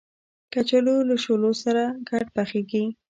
کچالو له شولو سره ګډ پخېږي